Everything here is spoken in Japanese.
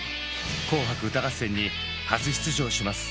「紅白歌合戦」に初出場します。